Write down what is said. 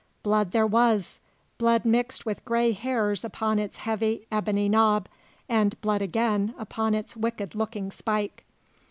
Blood there was blood mixed with grey hairs upon its heavy ebony knob, and blood again upon its wicked looking spike.